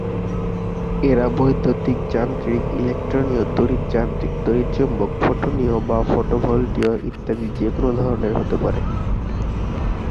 এরা বৈদ্যুতিক, যান্ত্রিক, ইলেক্ট্রনীয়, তড়িৎ-যান্ত্রিক, তড়িৎ-চৌম্বক, ফোটনীয় বা ফটোভোল্টীয় ইত্যাদি যেকোন ধরনের হতে পারে।